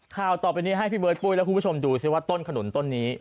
ข่าวต่อไปนี้ให้พี่เบิร์ดปุ้ยและคุณผู้ชมดูสิว่าต้นขนุนต้นนี้